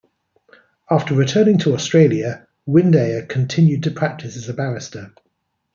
After returning to Australia, Windeyer continued to practise as a barrister.